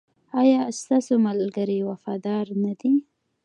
ایا ستاسو ملګري وفادار نه دي؟